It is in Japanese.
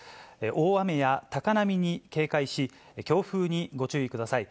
大雨や高波に警戒し、強風にご注意ください。